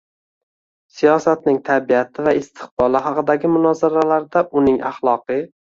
siyosatning tabiati va istiqboli haqidagi munozaralarda uning axloqiy